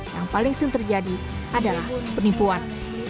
yang paling sering terjadi adalah penipuan